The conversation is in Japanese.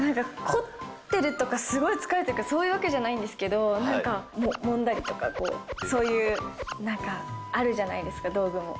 凝ってるとか、すごい疲れてるとかそういうわけじゃないんですけど、なんか、もんだりとか、そういうなんか、あるじゃないですか、道具も。